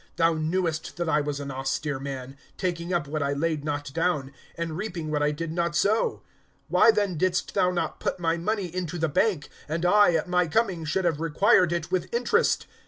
Thou knewest that I was an austere man, taking up what I laid not down, and reaping what I did not sow? (23)Why then didst thou not put my money into the bank? and I, at my coming, should have required it with interest.